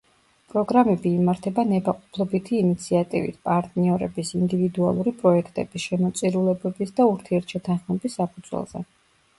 პროგრამები იმართება ნებაყოფლობითი ინიციატივით, პარტნიორების, ინდივიდუალური პროექტების, შემოწირულობების და ურთიერთშეთანხმების საფუძველზე.